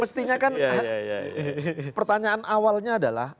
mestinya kan pertanyaan awalnya adalah